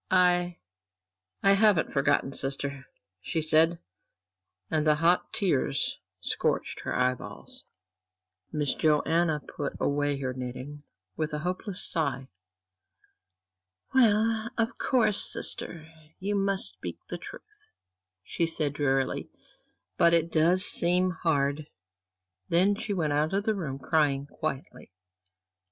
"I I haven't forgotten, sister," she said, and the hot tears scorched her eyeballs. Miss Joanna put away her knitting with a hopeless sigh. "Well, of course, sister, you must speak the truth," she said, drearily, "but it does seem hard." Then she went out of the room, crying quietly.